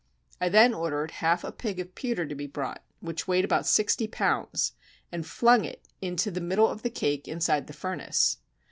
I then ordered half a pig of pewter to be brought, which weighed about sixty pounds, and flung it into the middle of the cake inside the furnace.